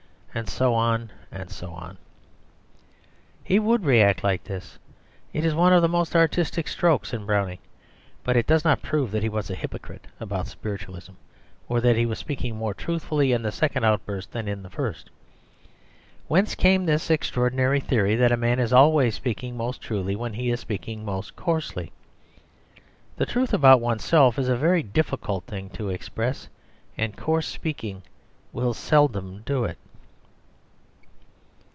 and so on, and so on. He would react like this; it is one of the most artistic strokes in Browning. But it does not prove that he was a hypocrite about spiritualism, or that he was speaking more truthfully in the second outburst than in the first. Whence came this extraordinary theory that a man is always speaking most truly when he is speaking most coarsely? The truth about oneself is a very difficult thing to express, and coarse speaking will seldom do it.